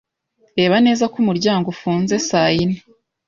Reba neza ko umuryango ufunze saa yine